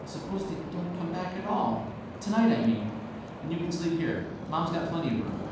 "Suppose they don't come back at all? Tonight, I mean." "Then you can sleep here. Mom's got plenty of room."